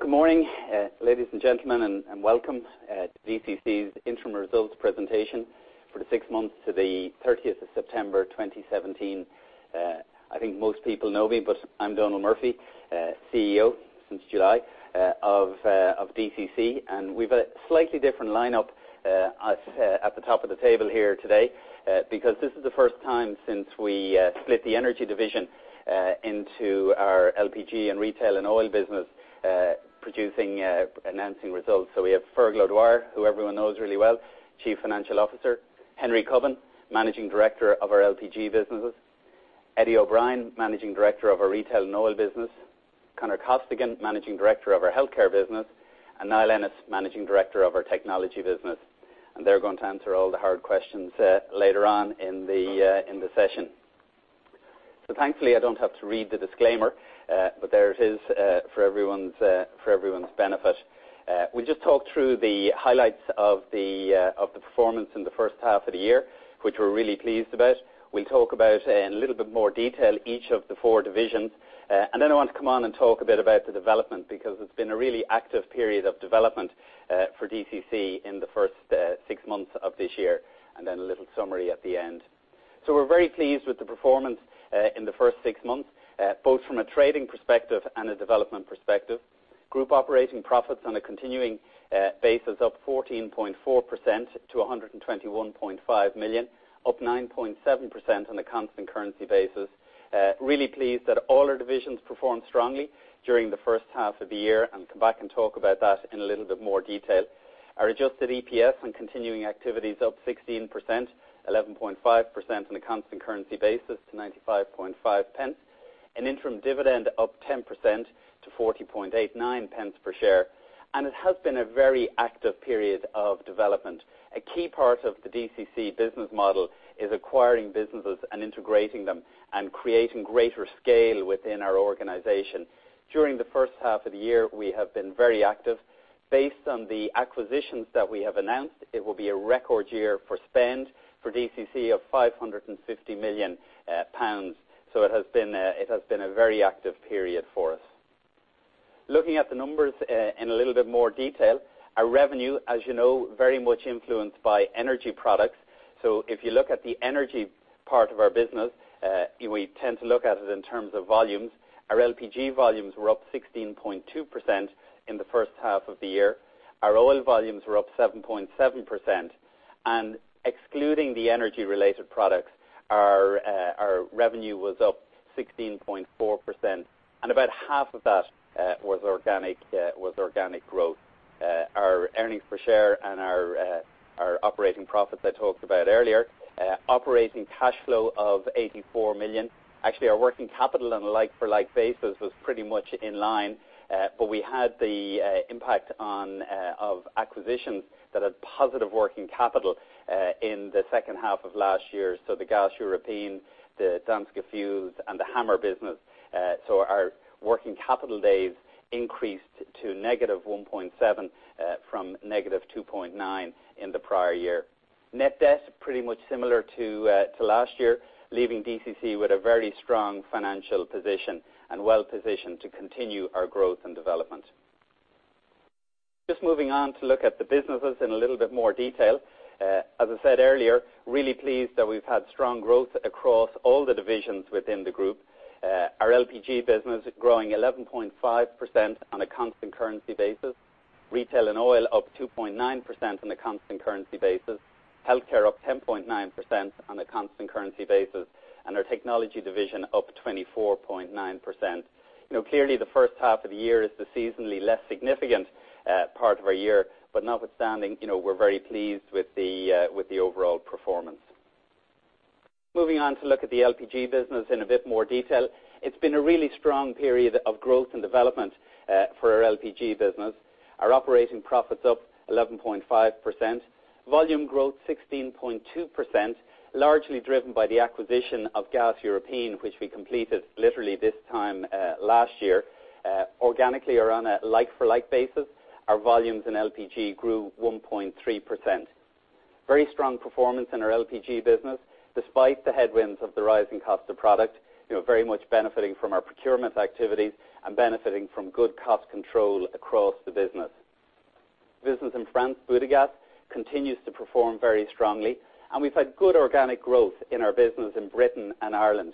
Good morning, ladies and gentlemen, and welcome to DCC's interim results presentation for the six months to the 30th of September 2017. I think most people know me, I am Donal Murphy, CEO since July of DCC. We have a slightly different lineup at the top of the table here today, because this is the first time since we split the energy division into our LPG and retail and oil business, announcing results. We have Fergal O'Dwyer, who everyone knows really well, Chief Financial Officer. Henry Cubbon, Managing Director of our LPG businesses. Eddie O'Brien, Managing Director of our retail and oil business. Conor Costigan, Managing Director of our healthcare business. Niall Ennis, Managing Director of our technology business. They are going to answer all the hard questions later on in the session. Thankfully, I do not have to read the disclaimer, but there it is for everyone's benefit. We will just talk through the highlights of the performance in the first half of the year, which we are really pleased about. We will talk about, in a little bit more detail, each of the four divisions. Then I want to come on and talk a bit about the development, because it has been a really active period of development for DCC in the first six months of this year, then a little summary at the end. We are very pleased with the performance in the first six months, both from a trading perspective and a development perspective. Group operating profits on a continuing basis up 14.4% to 121.5 million, up 9.7% on a constant currency basis. Really pleased that all our divisions performed strongly during the first half of the year, and come back and talk about that in a little bit more detail. Our adjusted EPS on continuing activities up 16%, 11.5% on a constant currency basis to 0.955. An interim dividend up 10% to 0.4089 per share. It has been a very active period of development. A key part of the DCC business model is acquiring businesses and integrating them and creating greater scale within our organization. During the first half of the year, we have been very active. Based on the acquisitions that we have announced, it will be a record year for spend for DCC of 550 million pounds. It has been a very active period for us. Looking at the numbers in a little bit more detail. Our revenue, as you know, very much influenced by energy products. If you look at the energy part of our business, we tend to look at it in terms of volumes. Our LPG volumes were up 16.2% in the first half of the year. Our oil volumes were up 7.7%. Excluding the energy-related products, our revenue was up 16.4%, and about half of that was organic growth. Our earnings per share and our operating profits I talked about earlier. Operating cash flow of 84 million. Actually, our working capital on a like-for-like basis was pretty much in line. We had the impact of acquisitions that had positive working capital in the second half of last year. The Gaz Européen, the Dansk Fuels and the Hammer business. Our working capital days increased to negative 1.7 from negative 2.9 in the prior year. Net debt, pretty much similar to last year, leaving DCC with a very strong financial position and well-positioned to continue our growth and development. Moving on to look at the businesses in a little bit more detail. As I said earlier, really pleased that we've had strong growth across all the divisions within the group. Our LPG business growing 11.5% on a constant currency basis. Retail and oil up 2.9% on a constant currency basis. Healthcare up 10.9% on a constant currency basis. Our technology division up 24.9%. Clearly, the first half of the year is the seasonally less significant part of our year. Notwithstanding, we're very pleased with the overall performance. Moving on to look at the LPG business in a bit more detail. It's been a really strong period of growth and development for our LPG business. Our operating profits up 11.5%. Volume growth 16.2%, largely driven by the acquisition of Gaz Européen, which we completed literally this time last year. Organically or on a like-for-like basis, our volumes in LPG grew 1.3%. Very strong performance in our LPG business, despite the headwinds of the rising cost of product, very much benefiting from our procurement activities and benefiting from good cost control across the business. Business in France, Butagaz, continues to perform very strongly. We've had good organic growth in our business in Britain and Ireland,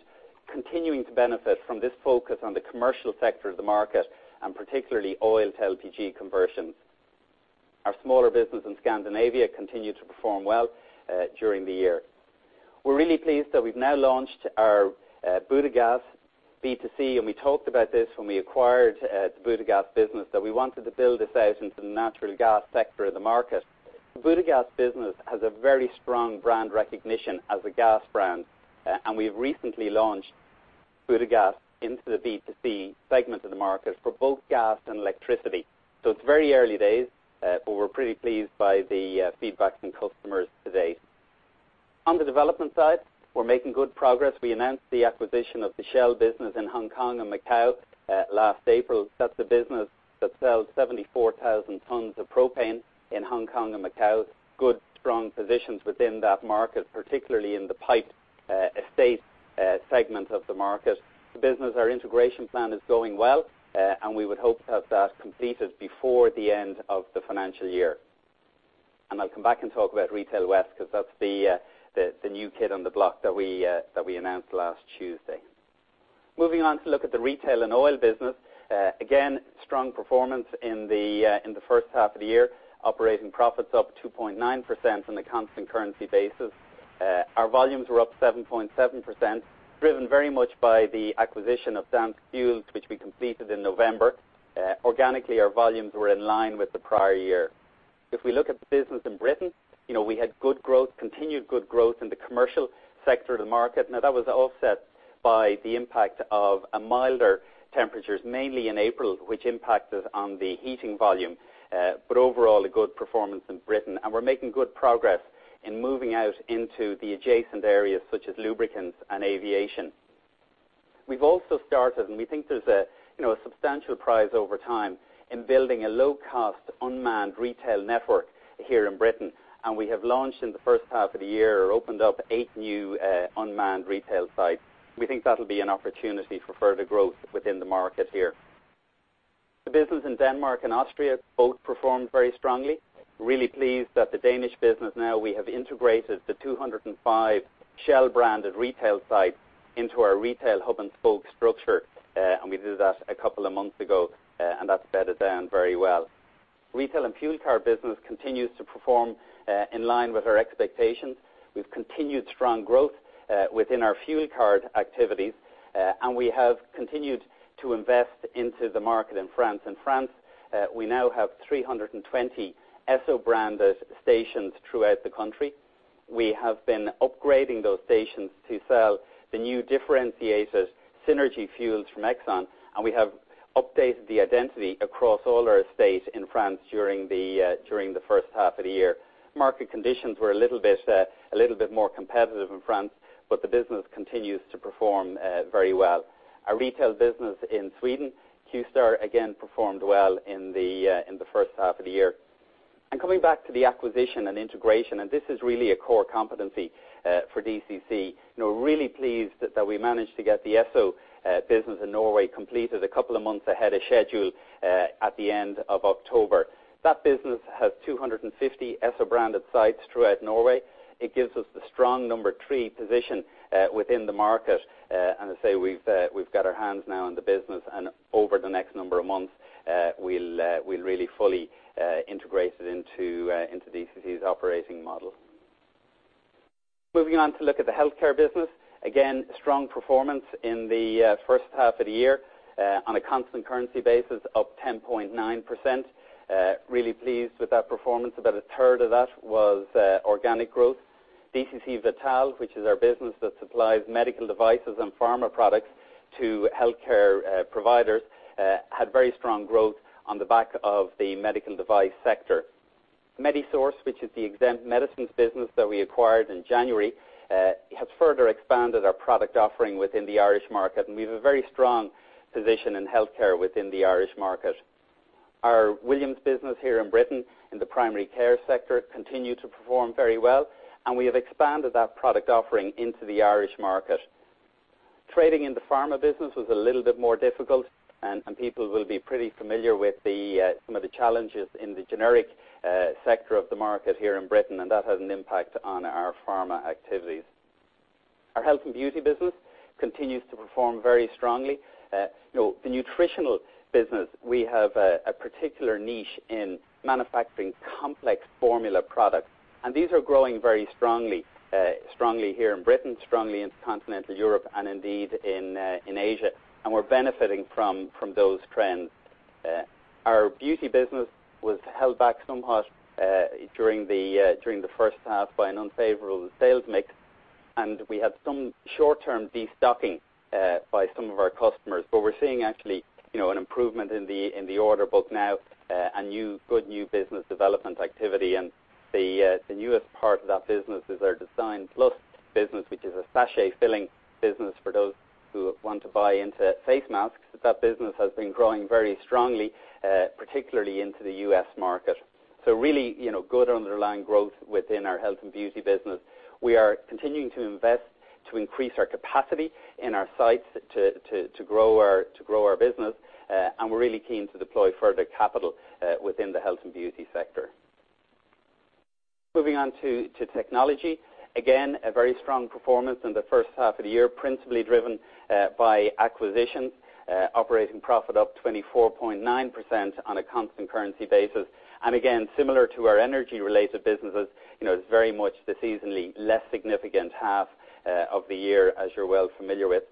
continuing to benefit from this focus on the commercial sector of the market, and particularly oil-to-LPG conversions. Our smaller business in Scandinavia continued to perform well during the year. We're really pleased that we've now launched our Butagaz B2C. We talked about this when we acquired the Butagaz business, that we wanted to build this out into the natural gas sector of the market. The Butagaz business has a very strong brand recognition as a gas brand. We've recently launched Butagaz into the B2C segment of the market for both gas and electricity. It's very early days, but we're pretty pleased by the feedback from customers to date. On the development side, we're making good progress. We announced the acquisition of the Shell business in Hong Kong and Macau last April. That's a business that sells 74,000 tons of propane in Hong Kong and Macau. Good, strong positions within that market, particularly in the piped gas segment of the market. The business, our integration plan is going well. We would hope to have that completed before the end of the financial year. I'll come back and talk about Retail West because that's the new kid on the block that we announced last Tuesday. Moving on to look at the retail and oil business. Again, strong performance in the first half of the year, operating profits up 2.9% on a constant currency basis. Our volumes were up 7.7%, driven very much by the acquisition of Dansk Fuels, which we completed in November. Organically, our volumes were in line with the prior year. If we look at the business in Britain, we had continued good growth in the commercial sector of the market. That was offset by the impact of milder temperatures, mainly in April, which impacted on the heating volume. Overall, a good performance in Britain. We're making good progress in moving out into the adjacent areas such as lubricants and aviation. We've also started, and we think there's a substantial prize over time, in building a low-cost unmanned retail network here in Britain. We have launched in the first half of the year or opened up eight new unmanned retail sites. We think that will be an opportunity for further growth within the market here. The business in Denmark and Austria both performed very strongly. Really pleased that the Danish business now we have integrated the 205 Shell-branded retail sites into our retail hub and spoke structure, and we did that a couple of months ago, and that is bedded down very well. Retail and fuel card business continues to perform in line with our expectations. We have continued strong growth within our fuel card activities, and we have continued to invest into the market in France. In France, we now have 320 Esso-branded stations throughout the country. We have been upgrading those stations to sell the new differentiated Synergy fuels from Exxon, and we have updated the identity across all our estate in France during the first half of the year. Market conditions were a little bit more competitive in France, the business continues to perform very well. Our retail business in Sweden, Qstar, again performed well in the first half of the year. Coming back to the acquisition and integration, this is really a core competency for DCC. Really pleased that we managed to get the Esso business in Norway completed a couple of months ahead of schedule at the end of October. That business has 250 Esso-branded sites throughout Norway. It gives us the strong number three position within the market. I say we have got our hands now on the business, and over the next number of months, we will really fully integrate it into DCC's operating model. Moving on to look at the healthcare business. Again, strong performance in the first half of the year, on a constant currency basis up 10.9%. Really pleased with that performance. About a third of that was organic growth. DCC Vital, which is our business that supplies medical devices and pharma products to healthcare providers, had very strong growth on the back of the medical device sector. Medisource, which is the exempt medicines business that we acquired in January, has further expanded our product offering within the Irish market, we have a very strong position in healthcare within the Irish market. Our Williams business here in Britain, in the primary care sector, continued to perform very well, we have expanded that product offering into the Irish market. Trading in the pharma business was a little bit more difficult, people will be pretty familiar with some of the challenges in the generic sector of the market here in Britain, that has an impact on our pharma activities. Our health and beauty business continues to perform very strongly. The nutritional business, we have a particular niche in manufacturing complex formula products, these are growing very strongly. Strongly here in Britain, strongly in continental Europe, and indeed in Asia. We are benefiting from those trends. Our beauty business was held back somewhat during the first half by an unfavorable sales mix, we had some short-term destocking by some of our customers. We're seeing actually an improvement in the order book now and good new business development activity. The newest part of that business is our Design Plus business, which is a sachet filling business for those who want to buy into face masks. That business has been growing very strongly, particularly into the U.S. market. Really good underlying growth within our health and beauty business. We are continuing to invest to increase our capacity in our sites to grow our business, and we're really keen to deploy further capital within the health and beauty sector. Moving on to technology. A very strong performance in the first half of the year, principally driven by acquisitions. Operating profit up 24.9% on a constant currency basis. Again, similar to our energy-related businesses, it's very much the seasonally less significant half of the year, as you're well familiar with.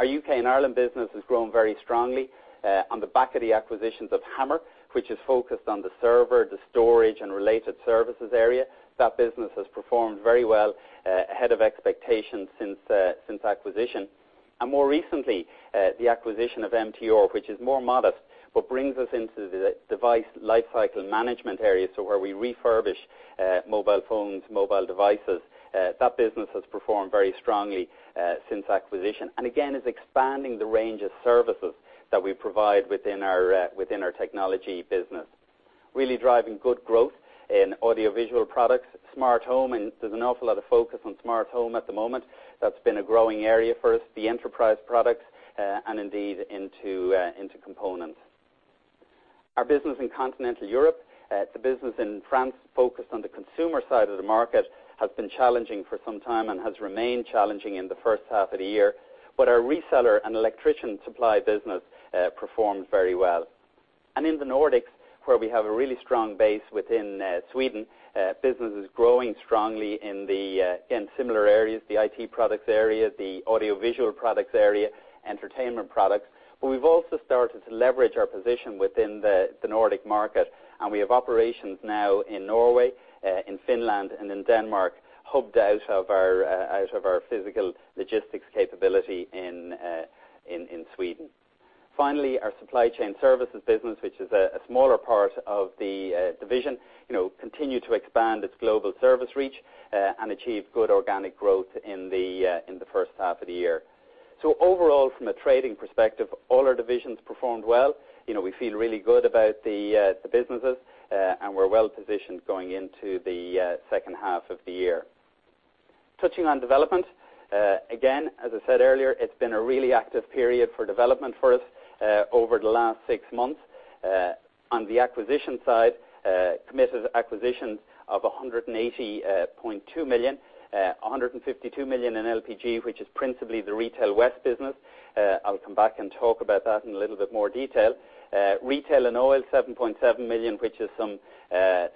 Our U.K. and Ireland business has grown very strongly on the back of the acquisitions of Hammer, which is focused on the server, the storage, and related services area. That business has performed very well, ahead of expectations since acquisition. More recently, the acquisition of MTR, which is more modest, but brings us into the device lifecycle management area, so where we refurbish mobile phones, mobile devices. That business has performed very strongly since acquisition. Again, is expanding the range of services that we provide within our technology business. Really driving good growth in audiovisual products, Smart Home, and there's an awful lot of focus on Smart Home at the moment. That's been a growing area for us. The enterprise product, and indeed into components. Our business in continental Europe, the business in France focused on the consumer side of the market, has been challenging for some time and has remained challenging in the first half of the year. Our reseller and electrician supply business performs very well. In the Nordics, where we have a really strong base within Sweden, business is growing strongly in similar areas, the IT products area, the audiovisual products area, entertainment products. We've also started to leverage our position within the Nordic market, and we have operations now in Norway, in Finland, and in Denmark, hubbed out of our physical logistics capability in Sweden. Finally, our supply chain services business, which is a smaller part of the division, continued to expand its global service reach and achieve good organic growth in the first half of the year. Overall, from a trading perspective, all our divisions performed well. We feel really good about the businesses, and we're well positioned going into the second half of the year. Touching on development. As I said earlier, it's been a really active period for development for us over the last six months. On the acquisition side, committed acquisitions of 180.2 million, 152 million in LPG, which is principally the Retail West business. I'll come back and talk about that in a little bit more detail. Retail and oil, 7.7 million, which is some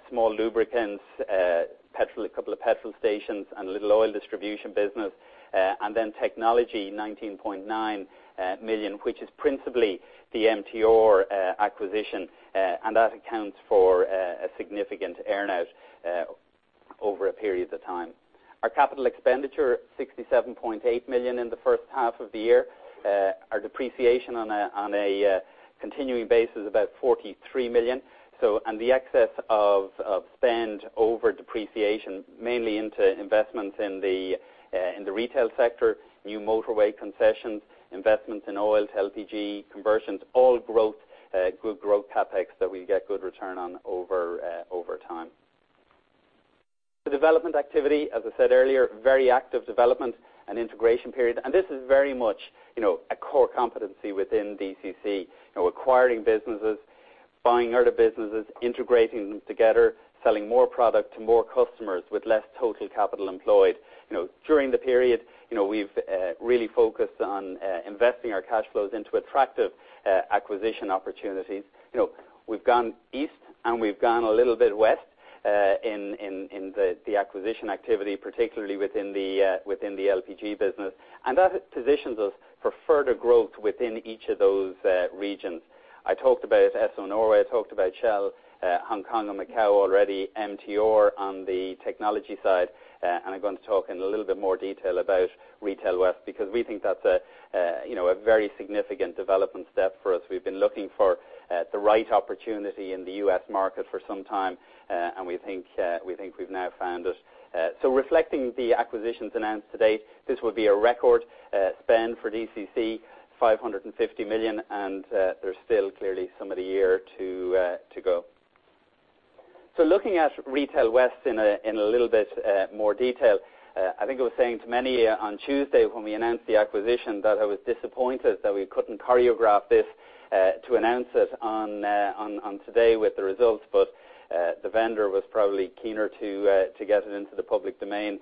small lubricants, a couple of petrol stations, and a little oil distribution business. Then technology, 19.9 million, which is principally the MTR acquisition. That accounts for a significant earn out over a period of time. Our capital expenditure, 67.8 million in the first half of the year. Our depreciation on a continuing basis, about 43 million. The excess of spend over depreciation, mainly into investments in the retail sector, new motorway concessions, investments in oils, LPG conversions, all good growth CapEx that we get good return on over time. The development activity, as I said earlier, very active development and integration period. This is very much a core competency within DCC. Acquiring businesses, buying other businesses, integrating them together, selling more product to more customers with less total capital employed. During the period, we've really focused on investing our cash flows into attractive acquisition opportunities. We've gone east, and we've gone a little bit west in the acquisition activity, particularly within the LPG business. That positions us for further growth within each of those regions. I talked about Esso Norway, I talked about Shell, Hong Kong and Macau already, MTR on the technology side. I'm going to talk in a little bit more detail about Retail West, because we think that's a very significant development step for us. We've been looking for the right opportunity in the U.S. market for some time, and we think we've now found it. Reflecting the acquisitions announced to date, this will be a record spend for DCC, 550 million, and there's still clearly some of the year to go. Looking at Retail West in a little bit more detail. I think I was saying to many on Tuesday when we announced the acquisition that I was disappointed that we couldn't choreograph this to announce it on today with the results, but the vendor was probably keener to get it into the public domain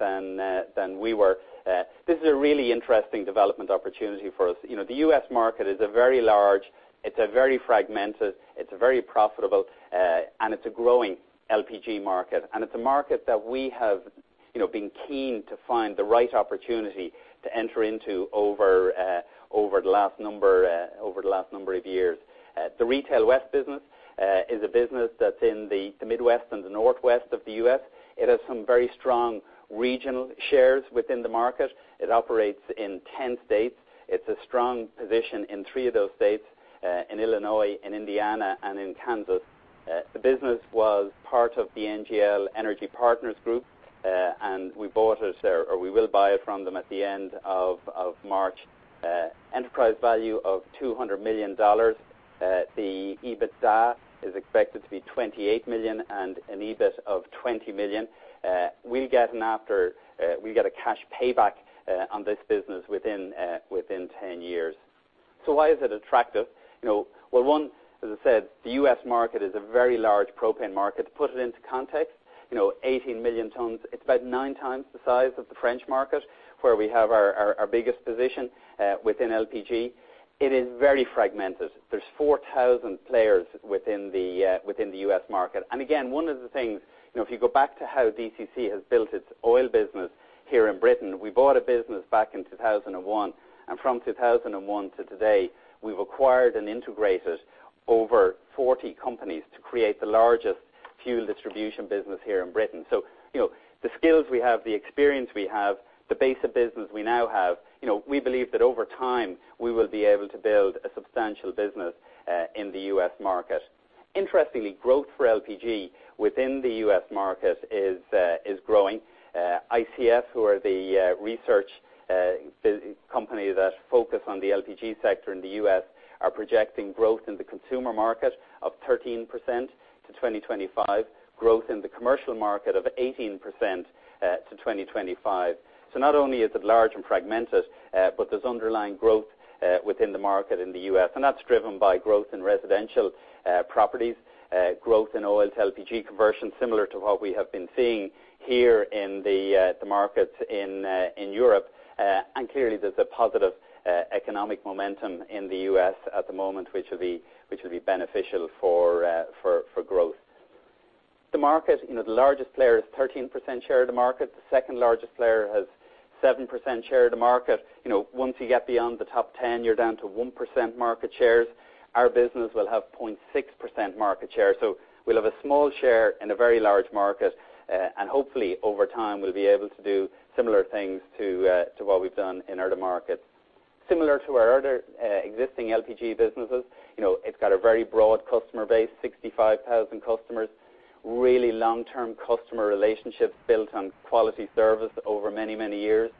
than we were. This is a really interesting development opportunity for us. The U.S. market is a very large, it's a very fragmented, it's a very profitable, and it's a growing LPG market. It's a market that we have been keen to find the right opportunity to enter into over the last number of years. The Retail West business is a business that's in the Midwest and the Northwest of the U.S. It has some very strong regional shares within the market. It operates in 10 states. It's a strong position in three of those states, in Illinois, in Indiana, and in Kansas. The business was part of the NGL Energy Partners Group, and we will buy it from them at the end of March. Enterprise value of $200 million. The EBITDA is expected to be 28 million and an EBIT of 20 million. We get a cash payback on this business within 10 years. Why is it attractive? One, as I said, the U.S. market is a very large propane market. To put it into context, 18 million tons. It's about nine times the size of the French market, where we have our biggest position within LPG. It is very fragmented. There's 4,000 players within the U.S. market. Again, one of the things, if you go back to how DCC has built its oil business here in Britain, we bought a business back in 2001. From 2001 to today, we've acquired and integrated over 40 companies to create the largest fuel distribution business here in Britain. The skills we have, the experience we have, the base of business we now have, we believe that over time, we will be able to build a substantial business in the U.S. market. Interestingly, growth for LPG within the U.S. market is growing. ICF, who are the research company that focus on the LPG sector in the U.S., are projecting growth in the consumer market of 13% to 2025, growth in the commercial market of 18% to 2025. Not only is it large and fragmented, but there's underlying growth within the market in the U.S., and that's driven by growth in residential properties, growth in oils, LPG conversion, similar to what we have been seeing here in the markets in Europe. Clearly, there's a positive economic momentum in the U.S. at the moment, which will be beneficial for growth. The market, the largest player is 13% share of the market. The second-largest player has 7% share of the market. Once you get beyond the top 10, you're down to 1% market shares. Our business will have 0.6% market share. We'll have a small share in a very large market, and hopefully, over time, we'll be able to do similar things to what we've done in other markets. Similar to our other existing LPG businesses, it's got a very broad customer base, 65,000 customers, really long-term customer relationships built on quality service over many, many years.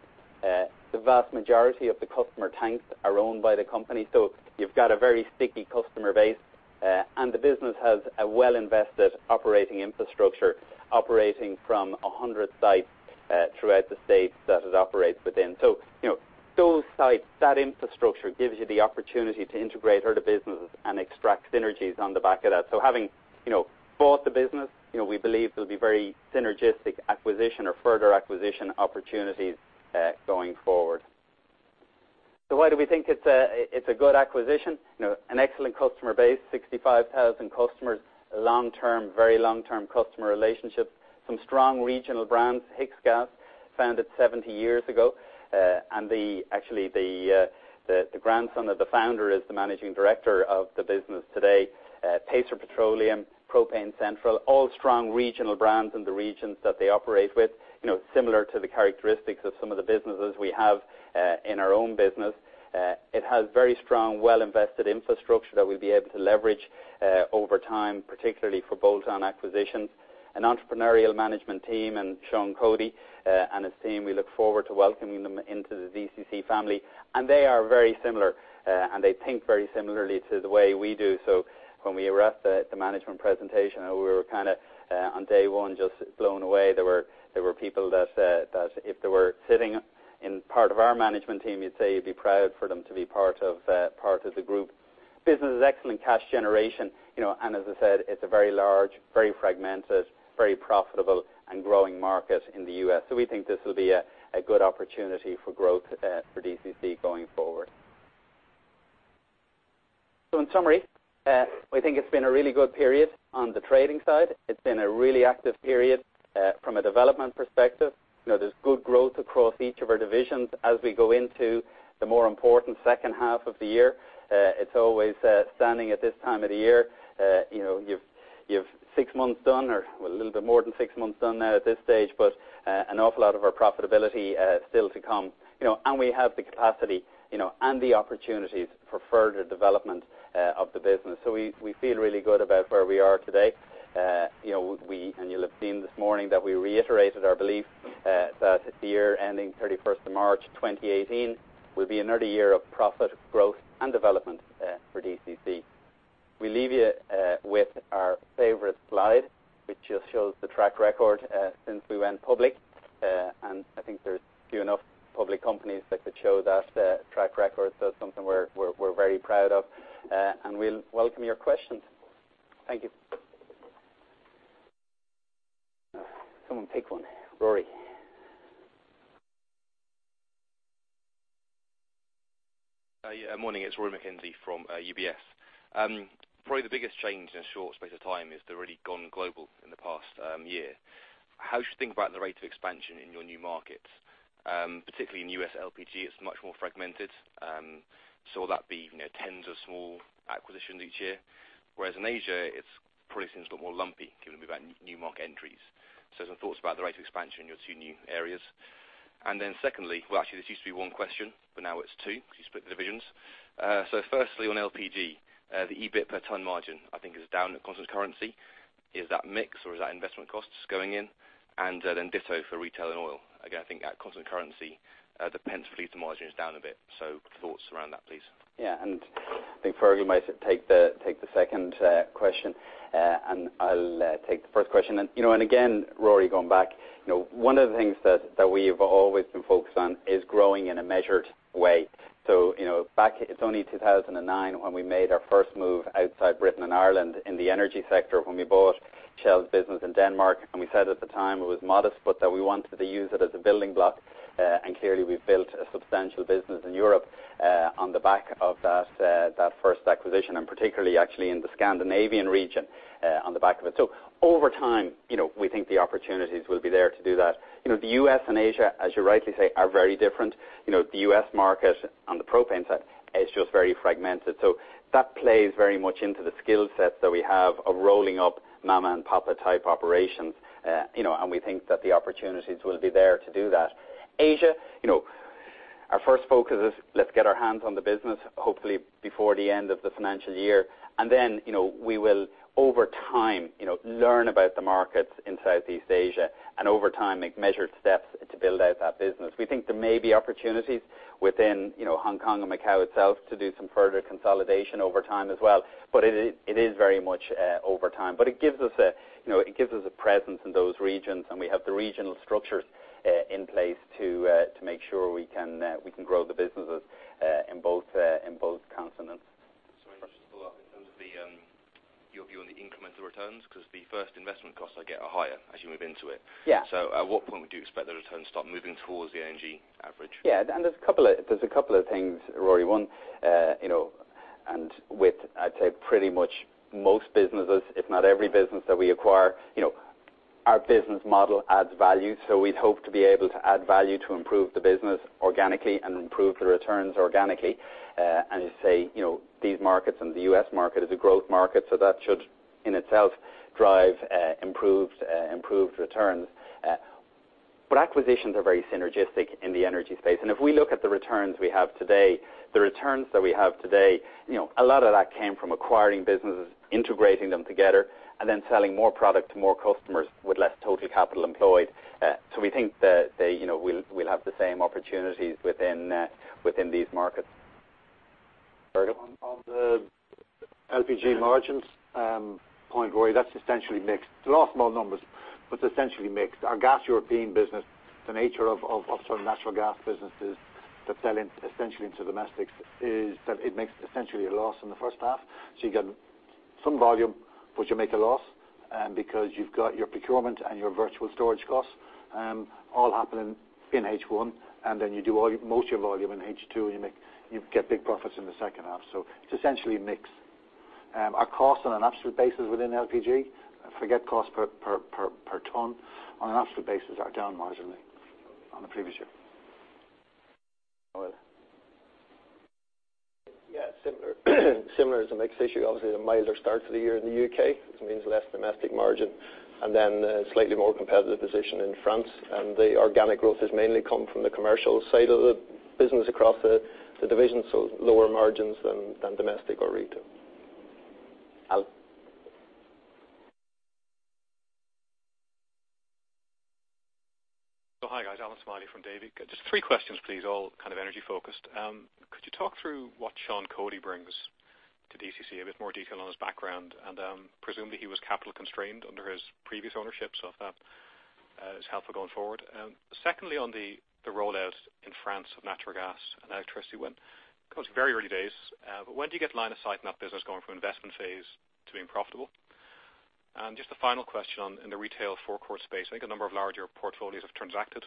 The vast majority of the customer tanks are owned by the company, you've got a very sticky customer base. The business has a well-invested operating infrastructure operating from 100 sites throughout the States that it operates within. Those sites, that infrastructure gives you the opportunity to integrate other businesses and extract synergies on the back of that. Having bought the business, we believe there'll be very synergistic acquisition or further acquisition opportunities going forward. Why do we think it's a good acquisition? An excellent customer base, 65,000 customers, long-term, very long-term customer relationships, some strong regional brands. Hicksgas, founded 70 years ago, and actually, the grandson of the founder is the managing director of the business today. Pacer Propane, Propane Central, all strong regional brands in the regions that they operate with, similar to the characteristics of some of the businesses we have in our own business. It has very strong, well-invested infrastructure that we'll be able to leverage over time, particularly for bolt-on acquisitions. An entrepreneurial management team in Sean Coyle and his team. We look forward to welcoming them into the DCC family. They are very similar, and they think very similarly to the way we do. When we were at the management presentation, we were kind of, on day one, just blown away. There were people that if they were sitting in part of our management team, you'd say you'd be proud for them to be part of the group. Business has excellent cash generation, and as I said, it's a very large, very fragmented, very profitable, and growing market in the U.S. We think this will be a good opportunity for growth for DCC going forward. In summary, we think it's been a really good period on the trading side. It's been a really active period from a development perspective. There's good growth across each of our divisions as we go into the more important second half of the year. It's always standing at this time of the year, you've six months done, or a little bit more than six months done now at this stage, but an awful lot of our profitability still to come. We have the capacity and the opportunities for further development of the business. We feel really good about where we are today. You'll have seen this morning that we reiterated our belief that the year ending 31st of March 2018 will be another year of profit growth and development for DCC. We leave you with our favorite slide, which just shows the track record since we went public. I think there's few enough public companies that could show that track record, so it's something we're very proud of. We'll welcome your questions. Thank you. Someone pick one. Rory. Morning. It's Rory McKenzie from UBS. Probably the biggest change in a short space of time is they've really gone global in the past year. How should you think about the rate of expansion in your new markets? Particularly in U.S. LPG, it's much more fragmented. Will that be tens of small acquisitions each year? Whereas in Asia, it probably seems a lot more lumpy given the new market entries. Some thoughts about the rate of expansion in your two new areas. Then secondly, well, actually, this used to be one question, but now it's two because you split the divisions. Firstly, on LPG, the EBIT per ton margin, I think, is down at constant currency. Is that mix or is that investment costs going in? Then ditto for retail and oil. Again, I think at constant currency, the pence per litre margin is down a bit. Thoughts around that, please. I think Fergal might take the second question, I'll take the first question. Again, Rory, going back, one of the things that we've always been focused on is growing in a measured way. Back, it's only 2009 when we made our first move outside Britain and Ireland in the energy sector when we bought Shell's business in Denmark. We said at the time it was modest, but that we wanted to use it as a building block. Clearly, we've built a substantial business in Europe on the back of that first acquisition, and particularly actually in the Scandinavian region on the back of it. Over time, we think the opportunities will be there to do that. The U.S. and Asia, as you rightly say, are very different. The U.S. market on the propane side is just very fragmented. That plays very much into the skill sets that we have of rolling up mama and papa type operations, and we think that the opportunities will be there to do that. Asia, you know. Our first focus is let's get our hands on the business, hopefully before the end of the financial year. We will, over time, learn about the markets in Southeast Asia, and over time, make measured steps to build out that business. We think there may be opportunities within Hong Kong and Macau itself to do some further consolidation over time as well. It is very much over time, but it gives us a presence in those regions, and we have the regional structures in place to make sure we can grow the businesses in both continents. Sorry, just to follow up in terms of your view on the incremental returns, because the first investment costs, I get, are higher as you move into it. Yeah. At what point would you expect the returns to start moving towards the energy average? Yeah, there's a couple of things, Rory. One, and with, I'd say pretty much most businesses, if not every business that we acquire, our business model adds value. We'd hope to be able to add value to improve the business organically and improve the returns organically. As you say, these markets and the U.S. market is a growth market, that should in itself drive improved returns. Acquisitions are very synergistic in the energy space. If we look at the returns we have today, the returns that we have today, a lot of that came from acquiring businesses, integrating them together, and then selling more product to more customers with less total capital employed. We think that we'll have the same opportunities within these markets. Fergal? On the LPG margins point, Rory, that's essentially mixed. There are small numbers, but essentially mixed. Our Gaz Européen business, the nature of certain natural gas businesses that sell essentially into domestics is that it makes essentially a loss in the first half. You get some volume, but you make a loss because you've got your procurement and your virtual storage costs all happening in H1, and then you do most of your volume in H2, and you get big profits in the second half. It's essentially mixed. Our costs on an absolute basis within LPG, if we get cost per ton, on an absolute basis are down marginally on the previous year. Oil? Similar. Similar is a mixed issue. Obviously, the milder start to the year in the U.K., which means less domestic margin, and then a slightly more competitive position in France. The organic growth has mainly come from the commercial side of the business across the division, so lower margins than domestic or retail. Allan? Hi, guys. Allan Smylie from Davy. Just 3 questions, please, all kind of energy-focused. Could you talk through what Sean Coyle brings to DCC? A bit more detail on his background. Presumably he was capital constrained under his previous ownership, so if that is helpful going forward. Secondly, on the rollout in France of natural gas and electricity, of course, very early days. When do you get line of sight in that business going from investment phase to being profitable? Just a final question in the retail forecourt space. I think a number of larger portfolios have transacted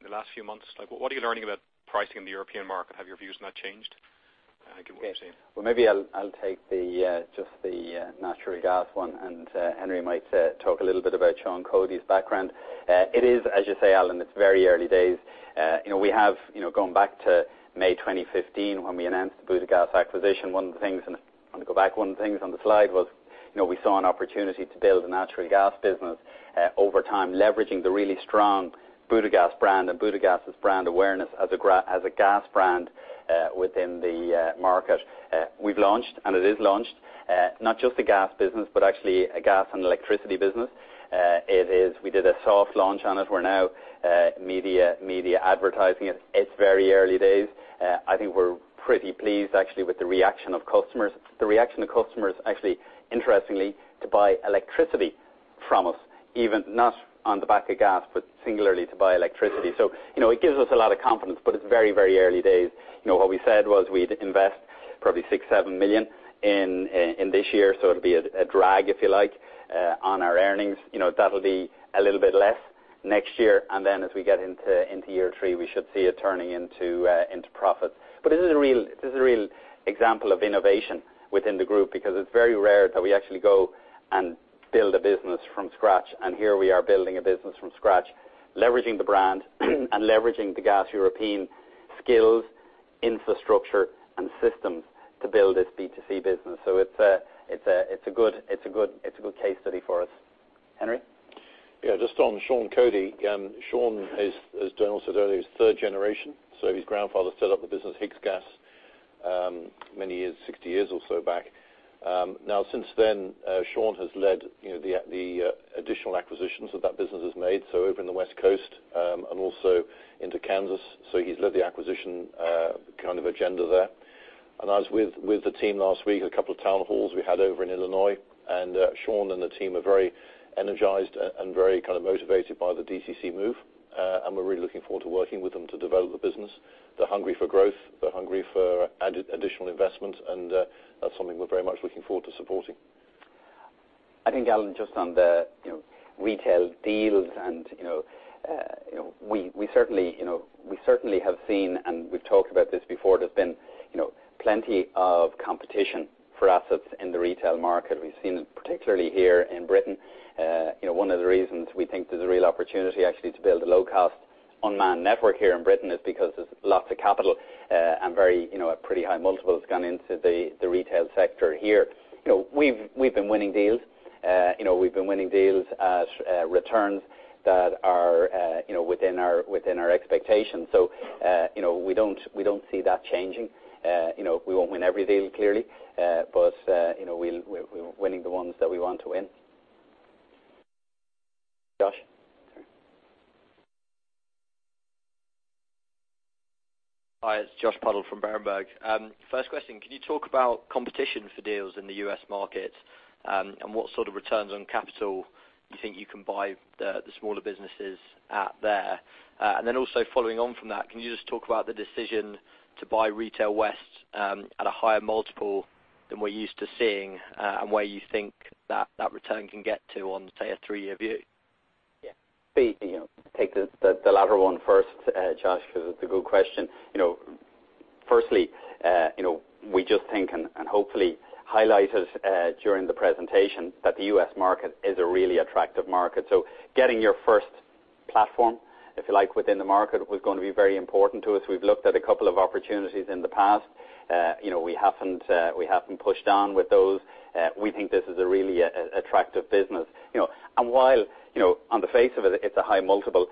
in the last few months. What are you learning about pricing in the European market? Have your views on that changed? Thank you. What do you say? Maybe I'll take just the natural gas one, and Henry might talk a little bit about Sean Coyle's background. It is, as you say, Allan, it's very early days. We have gone back to May 2015 when we announced the Butagaz acquisition. One of the things, and if you want to go back, one of the things on the slide was we saw an opportunity to build a natural gas business over time, leveraging the really strong Butagaz brand and Butagaz's brand awareness as a gas brand within the market. We've launched, and it is launched, not just a gas business, but actually a gas and electricity business. We did a soft launch on it. We're now media advertising it. It's very early days. I think we're pretty pleased, actually, with the reaction of customers. The reaction of customers, actually, interestingly, to buy electricity from us, even not on the back of gas, but singularly to buy electricity. It gives us a lot of confidence, but it's very early days. What we said was we'd invest probably GBP six, seven million in this year, so it'll be a drag, if you like, on our earnings. That'll be a little bit less next year, and then as we get into year three, we should see it turning into profit. This is a real example of innovation within the group because it's very rare that we actually go and build a business from scratch, and here we are building a business from scratch, leveraging the brand and leveraging the Gaz Européen skills, infrastructure, and systems to build this B2C business. It's a good case study for us. Henry? Yeah. Just on Sean Coyle. Sean is, as Donal said earlier, is third generation, so his grandfather set up the business, Hicksgas, many years, 60 years or so back. Now, since then, Sean has led the additional acquisitions that that business has made, so over in the West Coast, and also into Kansas. He's led the acquisition kind of agenda there. I was with the team last week at a couple of town halls we had over in Illinois, and Sean and the team are very energized and very kind of motivated by the DCC move. We're really looking forward to working with them to develop the business. They're hungry for growth. They're hungry for additional investment, and that's something we're very much looking forward to supporting. I think, Allan, just on the retail deals and we certainly have seen, and we've talked about this before, there's been plenty of competition for assets in the retail market. We've seen it particularly here in the U.K. One of the reasons we think there's a real opportunity actually to build a low-cost unmanned network here in the U.K. is because there's lots of capital a pretty high multiple has gone into the retail sector here. We've been winning deals at returns that are within our expectations. We don't see that changing. We won't win every deal clearly. We're winning the ones that we want to win. Josh? Hi, it's Joshua Pidduck from Berenberg. First question, can you talk about competition for deals in the U.S. market? What sort of returns on capital you think you can buy the smaller businesses out there? Then also following on from that, can you just talk about the decision to buy Retail West, at a higher multiple than we're used to seeing, and where you think that return can get to on, say, a three-year view? Yeah. Take the latter one first, Josh, because it's a good question. Firstly, we just think and hopefully highlighted during the presentation that the U.S. market is a really attractive market. Getting your first platform, if you like, within the market was going to be very important to us. We've looked at a couple of opportunities in the past. We haven't pushed on with those. We think this is a really attractive business. While, on the face of it's a high multiple,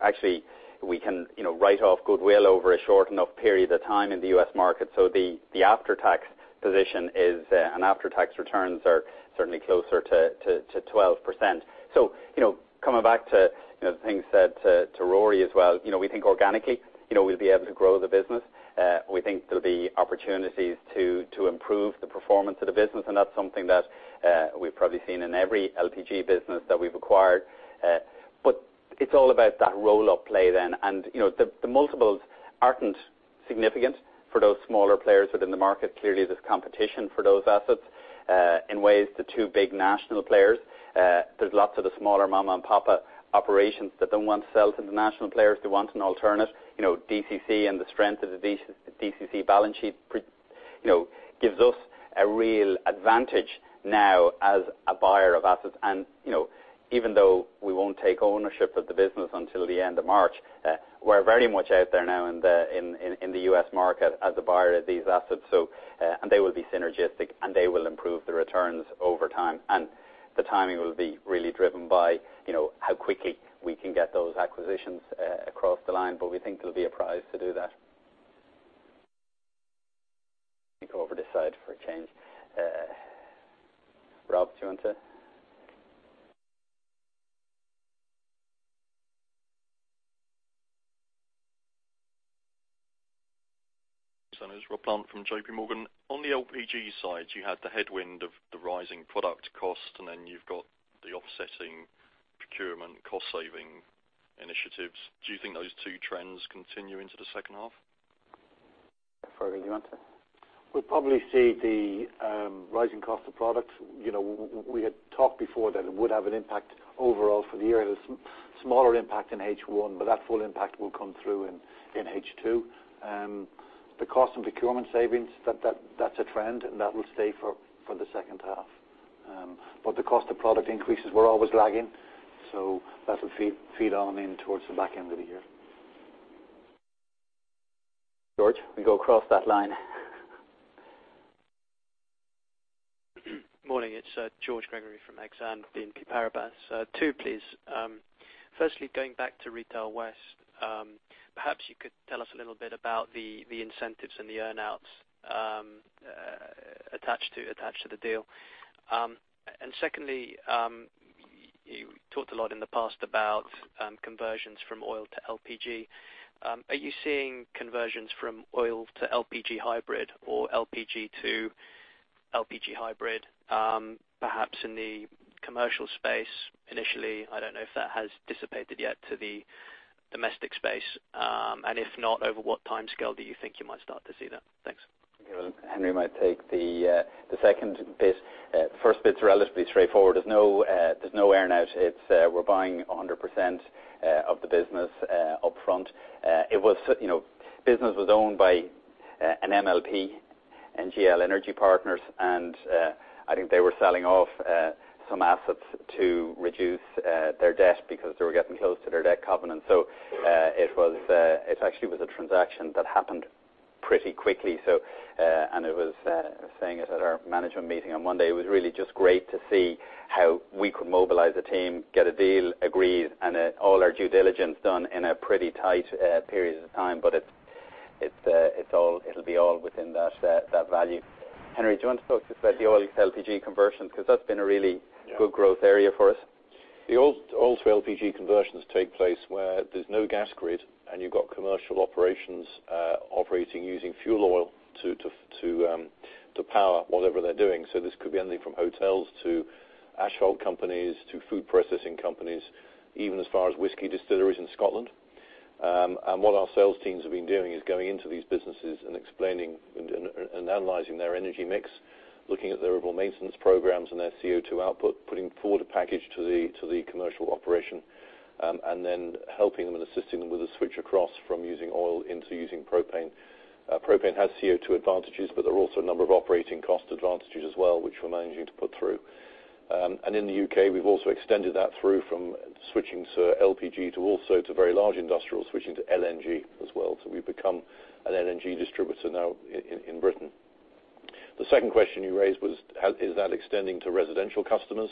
actually we can write off goodwill over a short enough period of time in the U.S. market. The after-tax position is, and after-tax returns are certainly closer to 12%. Coming back to the things said to Rory as well. We think organically, we'll be able to grow the business. We think there'll be opportunities to improve the performance of the business, and that's something that we've probably seen in every LPG business that we've acquired. It's all about that roll-up play then. The multiples aren't significant for those smaller players within the market. Clearly, there's competition for those assets. In ways the two big national players, there's lots of the smaller mom-and-pop operations that don't want to sell to the national players. They want an alternate. DCC and the strength of the DCC balance sheet gives us a real advantage now as a buyer of assets. Even though we won't take ownership of the business until the end of March, we're very much out there now in the U.S. market as a buyer of these assets. They will be synergistic, and they will improve the returns over time, and the timing will be really driven by how quickly we can get those acquisitions across the line. We think there'll be a prize to do that. Let me go over this side for a change. Rob, do you want to? It's Rob Plant from JPMorgan. On the LPG side, you had the headwind of the rising product cost, you've got the offsetting procurement cost-saving initiatives. Do you think those two trends continue into the second half? Fergal, do you want to? We'll probably see the rising cost of products. We had talked before that it would have an impact overall for the year. There's smaller impact in H1, but that full impact will come through in H2. The cost and procurement savings, that's a trend. That will stay for the second half. The cost of product increases, we're always lagging. That'll feed on in towards the back end of the year. George, we go across that line. Morning, it's George Gregory from Exane BNP Paribas. Two, please. Firstly, going back to Retail West. Perhaps you could tell us a little bit about the incentives and the earn-outs attached to the deal. Secondly, you talked a lot in the past about conversions from oil to LPG. Are you seeing conversions from oil to LPG hybrid or LPG to LPG hybrid perhaps in the commercial space initially? I don't know if that has dissipated yet to the domestic space. If not, over what timescale do you think you might start to see that? Thanks. Henry might take the second bit. The first bit's relatively straightforward. There's no earn-out. We're buying 100% of the business upfront. Business was owned by an MLP, NGL Energy Partners, I think they were selling off some assets to reduce their debt because they were getting close to their debt covenant. It actually was a transaction that happened pretty quickly. I was saying it at our management meeting on Monday. It was really just great to see how we could mobilize a team, get a deal agreed, all our due diligence done in a pretty tight period of time. But it'll be all within that value. Henry, do you want to talk just about the oil to LPG conversions? Because that's been a really good growth area for us. The oil to LPG conversions take place where there's no gas grid, you've got commercial operations operating using fuel oil to power whatever they're doing. This could be anything from hotels to asphalt companies to food processing companies, even as far as whiskey distilleries in Scotland. What our sales teams have been doing is going into these businesses and explaining and analyzing their energy mix, looking at their overall maintenance programs and their CO2 output, putting forward a package to the commercial operation, then helping them and assisting them with a switch across from using oil into using propane. Propane has CO2 advantages, but there are also a number of operating cost advantages as well, which we're managing to put through. In the U.K., we've also extended that through from switching to LPG to also to very large industrial switching to LNG as well. We've become an LNG distributor now in Britain. The second question you raised was, is that extending to residential customers?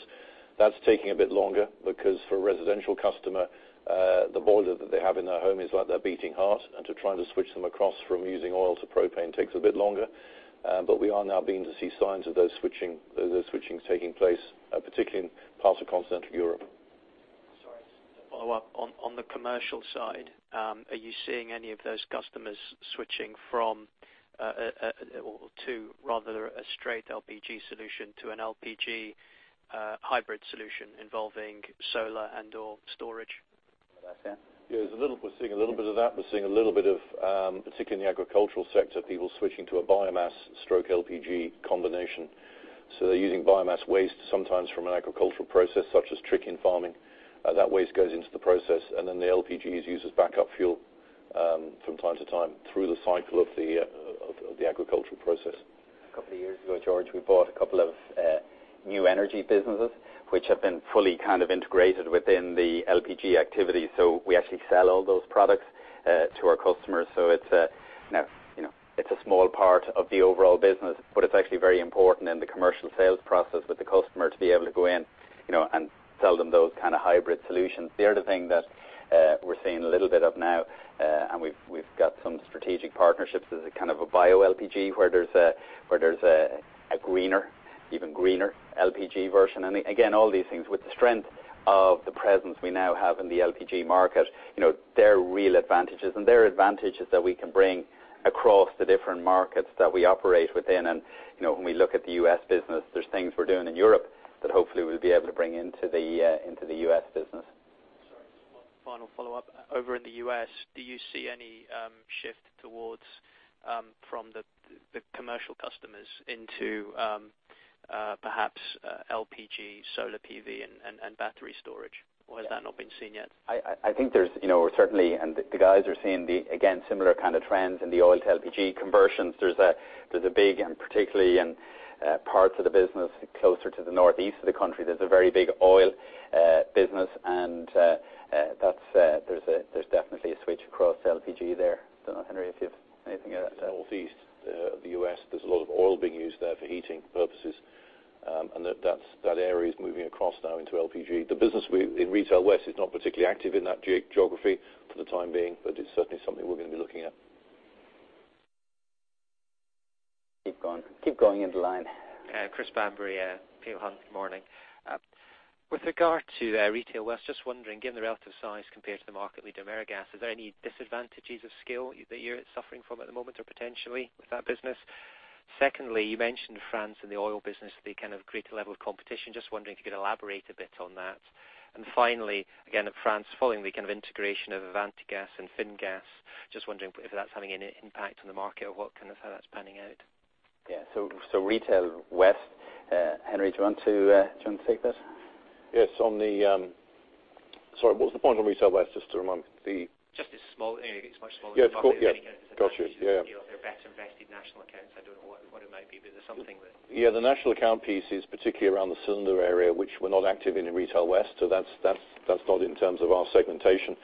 That's taking a bit longer because for a residential customer, the boiler that they have in their home is like their beating heart, to try to switch them across from using oil to propane takes a bit longer. We are now beginning to see signs of those switchings taking place, particularly in parts of Continental Europe. Sorry, just to follow up. On the commercial side, are you seeing any of those customers switching from, or to, rather, a straight LPG solution to an LPG hybrid solution involving solar and/or storage? That's it. We're seeing a little bit of that. We're seeing a little bit of, particularly in the agricultural sector, people switching to a biomass/LPG combination. They're using biomass waste sometimes from an agricultural process such as chicken farming. That waste goes into the process, the LPG is used as backup fuel from time to time through the cycle of the agricultural process. A couple of years ago, George, we bought a couple of new energy businesses, which have been fully integrated within the LPG activity. We actually sell all those products to our customers. It's a small part of the overall business, but it's actually very important in the commercial sales process with the customer to be able to go in and sell them those kind of hybrid solutions. The other thing that we're seeing a little bit of now, and we've got some strategic partnerships as a BioLPG, where there's an even greener LPG version. Again, all these things, with the strength of the presence we now have in the LPG market, there are real advantages. There are advantages that we can bring across the different markets that we operate within. When we look at the U.S. business, there's things we're doing in Europe that hopefully we'll be able to bring into the U.S. business. Sorry, just one final follow-up. Over in the U.S., do you see any shift towards from the commercial customers into perhaps LPG solar PV and battery storage? Or has that not been seen yet? I think there's certainly, the guys are seeing, again, similar trends in the oil-to-LPG conversions. There's a big, particularly in parts of the business closer to the Northeast of the country, there's a very big oil business, and there's definitely a switch across to LPG there. I don't know, Henry, if you have anything to add to that. Northeast of the U.S., there's a lot of oil being used there for heating purposes. That area is moving across now into LPG. The business in Retail West is not particularly active in that geography for the time being, but it's certainly something we're going to be looking at. Keep going. Keep going in the line. Chris Bamberry, Peel Hunt. Good morning. With regard to Retail West, just wondering, given the relative size compared to the market leader, AmeriGas, are there any disadvantages of scale that you're suffering from at the moment or potentially with that business? Secondly, you mentioned France and the oil business, the greater level of competition. Just wondering if you could elaborate a bit on that. Finally, again, on France, following the integration of Antargaz and Finagaz, just wondering if that's having any impact on the market or how that's panning out. Yeah. Retail West. Henry, do you want to take that? Yes. Sorry, what was the point on Retail West, just to remind me? Just it's much smaller. Yeah, got you. They're better invested national accounts. I don't know what it might be, but there's something that Yeah, the national account piece is particularly around the cylinder area, which we're not active in in Retail West. That's not in terms of our segmentation.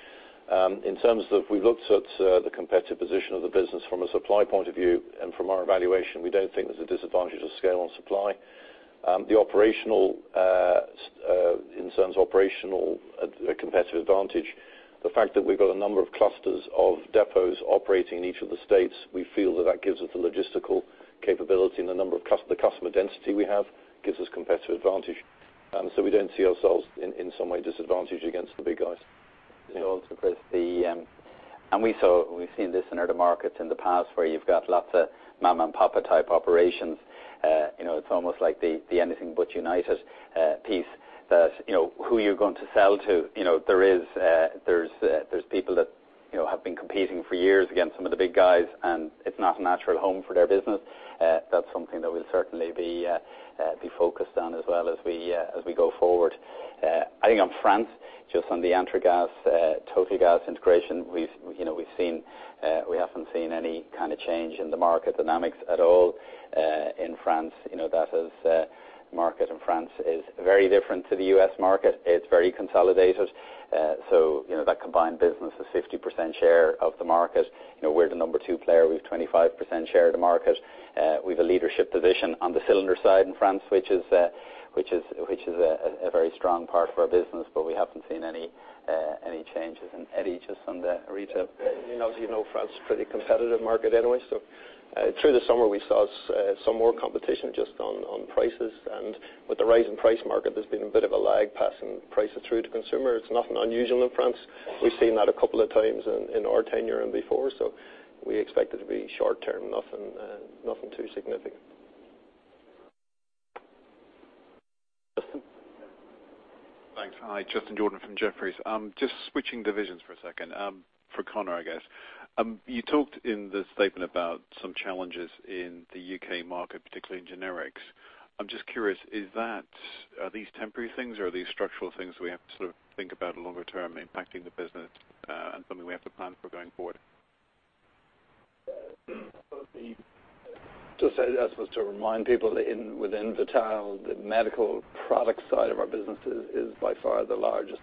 In terms of we've looked at the competitive position of the business from a supply point of view, from our evaluation, we don't think there's a disadvantage of scale on supply. In terms of operational competitive advantage, the fact that we've got a number of clusters of depots operating in each of the states, we feel that that gives us the logistical capability, the customer density we have gives us competitive advantage. We don't see ourselves in some way disadvantaged against the big guys. Chris, we've seen this in other markets in the past where you've got lots of mom-and-pop type operations. It's almost like the anything but united piece that, who you're going to sell to? There's people that have been competing for years against some of the big guys, and it's not a natural home for their business. That's something that we'll certainly be focused on as well as we go forward. I think on France, just on the Antargaz Totalgaz integration, we haven't seen any kind of change in the market dynamics at all in France. That market in France is very different to the U.S. market. It's very consolidated. That combined business is 50% share of the market. We're the number two player. We have 25% share of the market. We've a leadership position on the cylinder side in France, which is a very strong part of our business, but we haven't seen any changes. Eddie, just on the retail. As you know, France is a pretty competitive market anyway. Through the summer, we saw some more competition just on prices. With the rise in price market, there's been a bit of a lag passing prices through to consumers. It's nothing unusual in France. We've seen that a couple of times in our tenure and before, so we expect it to be short-term, nothing too significant. Justin. Thanks. Hi. Justin Jordan from Jefferies. Just switching divisions for a second. For Conor, I guess. You talked in the statement about some challenges in the U.K. market, particularly in generics. I'm just curious, are these temporary things, or are these structural things we have to think about longer term impacting the business, and something we have to plan for going forward? Just as to remind people within Vital, the medical product side of our business is by far the largest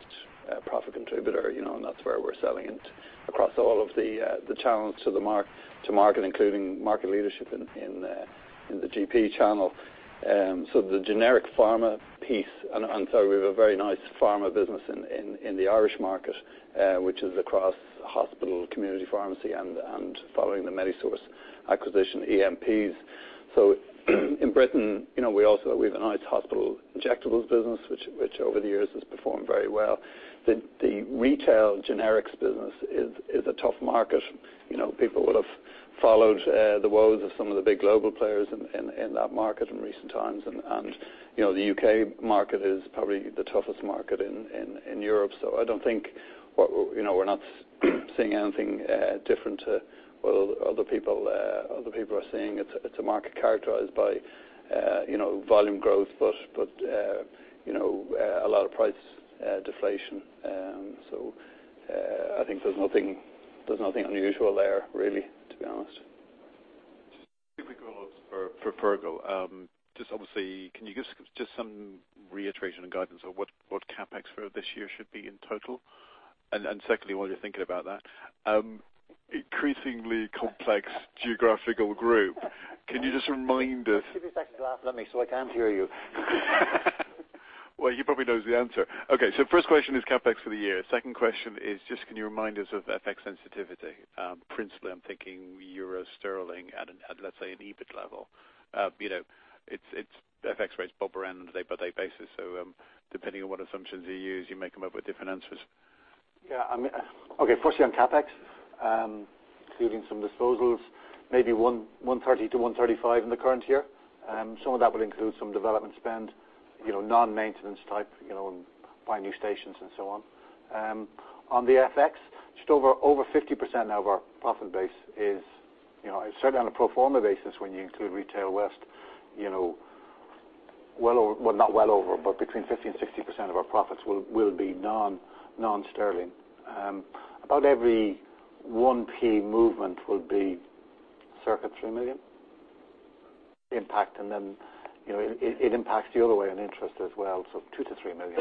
profit contributor, and that's where we're selling it across all of the channels to market, including market leadership in the GP channel. The generic pharma piece, we have a very nice pharma business in the Irish market, which is across hospital, community pharmacy, and following the Medisource acquisition, EMPs. In Britain, we have a nice hospital injectables business, which over the years has performed very well. The retail generics business is a tough market. People would have followed the woes of some of the big global players in that market in recent times. The U.K. market is probably the toughest market in Europe. I don't think we're not seeing anything different to what other people are seeing. It's a market characterized by volume growth, but a lot of price deflation. I think there's nothing unusual there, really, to be honest. Just a quick follow-up for Fergal. Just obviously, can you give us just some reiteration and guidance on what CapEx for this year should be in total? Secondly, while you're thinking about that, increasingly complex geographical group. Can you just remind us. Give your second glass at me so I can hear you. Well, he probably knows the answer. Okay, first question is CapEx for the year. Second question is just, can you remind us of FX sensitivity? Principally, I'm thinking euro sterling at, let's say, an EBIT level. FX rates bob around on a day-by-day basis. Depending on what assumptions you use, you may come up with different answers. Yeah. Okay. Firstly on CapEx, including some disposals, maybe 130 million-135 million in the current year. Some of that will include some development spend, non-maintenance type, find new stations and so on. On the FX, just over 50% now of our profit base is certainly on a pro forma basis, when you include Retail West, between 50% and 60% of our profits will be non-sterling. About every 1p movement will be circa 3 million impact, and then it impacts the other way on interest as well. 2 million-3 million.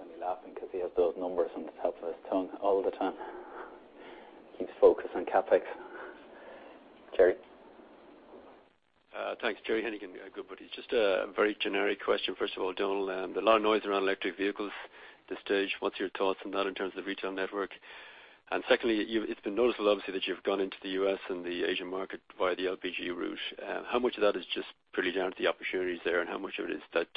Only laughing because he has those numbers on the top of his tongue all the time. He's focused on CapEx. Gerry. Thanks. Gerry Hennigan, Goodbody. Just a very generic question. First of all, Donal, there's a lot of noise around electric vehicles this stage. What's your thoughts on that in terms of retail network? Secondly, it's been noticeable, obviously, that you've gone into the U.S. and the Asian market via the LPG route. How much of that is just pretty down to the opportunities there, and how much of it is that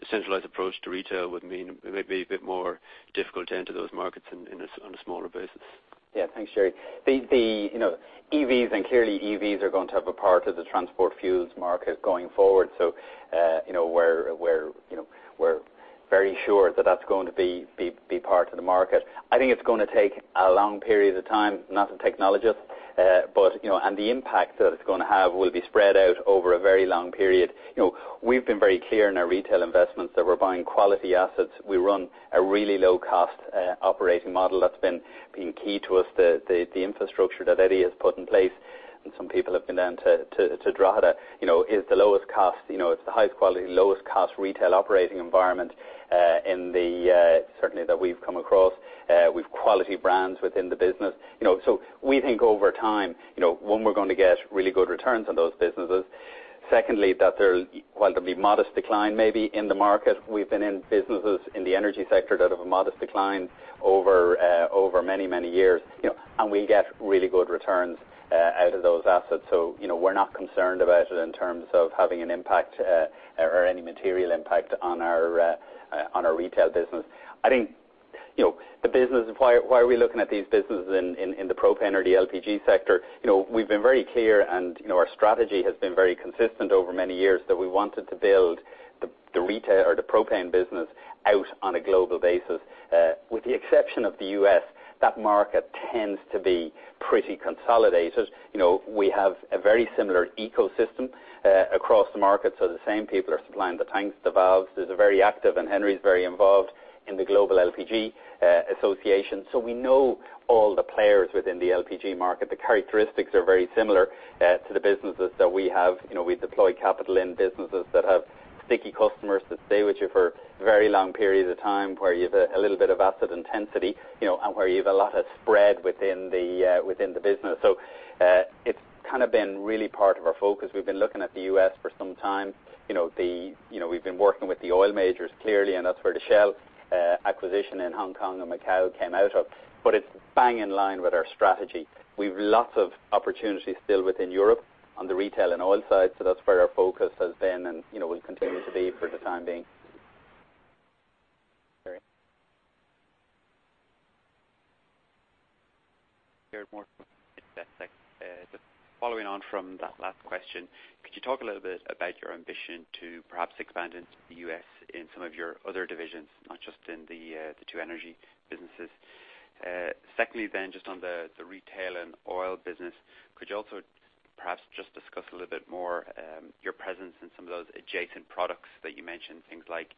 the centralized approach to retail would mean it might be a bit more difficult to enter those markets on a smaller basis? Yeah. Thanks, Gerry. EVs, clearly EVs are going to have a part of the transport fuels market going forward. We're very sure that that's going to be part of the market. I think it's going to take a long period of time. I'm not a technologist. The impact that it's going to have will be spread out over a very long period. We've been very clear in our retail investments that we're buying quality assets. We run a really low-cost operating model that's been key to us. The infrastructure that Eddie has put in place, and some people have been down to Drogheda, it's the highest quality, lowest cost retail operating environment certainly that we've come across. We've quality brands within the business. We think over time, one, we're going to get really good returns on those businesses. Secondly, that while there'll be modest decline maybe in the market, we've been in businesses in the energy sector that have a modest decline over many, many years, and we get really good returns out of those assets. We're not concerned about it in terms of having an impact or any material impact on our retail business. I think, why are we looking at these businesses in the propane or the LPG sector? We've been very clear and our strategy has been very consistent over many years that we wanted to build the retail or the propane business out on a global basis. With the exception of the U.S., that market tends to be pretty consolidated. We have a very similar ecosystem across the market. The same people are supplying the tanks, the valves. They're very active, and Henry's very involved in the World LPG Association. We know all the players within the LPG market. The characteristics are very similar to the businesses that we have. We deploy capital in businesses that have sticky customers that stay with you for very long periods of time, where you've a little bit of asset intensity, and where you've a lot of spread within the business. It's kind of been really part of our focus. We've been looking at the U.S. for some time. We've been working with the oil majors, clearly, and that's where the Shell acquisition in Hong Kong and Macau came out of. It's bang in line with our strategy. We've lots of opportunities still within Europe on the retail and oil side. That's where our focus has been and will continue to be for the time being. Gerry. Gerry Moore from Investec. Just following on from that last question, could you talk a little bit about your ambition to perhaps expand into the U.S. in some of your other divisions, not just in the two energy businesses? Just on the retail and oil business, could you also Perhaps just discuss a little bit more your presence in some of those adjacent products that you mentioned, things like